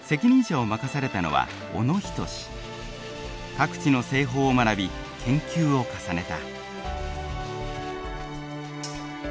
各地の製法を学び研究を重ねた。